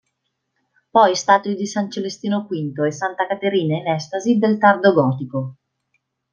Poi statue di San Celestino V e Santa Caterina in estasi del tardo gotico.